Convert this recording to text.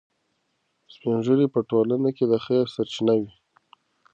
سپین ږیري په ټولنه کې د خیر سرچینه وي.